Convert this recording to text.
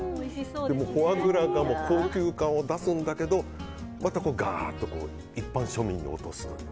フォアグラが高級感を出すんだけどまた、ガーッと一般庶民に落とすという。